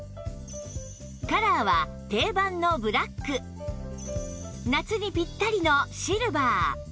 カラーは定番のブラック夏にピッタリのシルバー